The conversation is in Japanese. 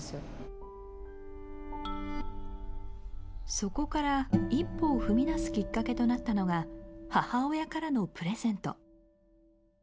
そこから一歩を踏み出すきっかけとなったのが母親からのプレゼント。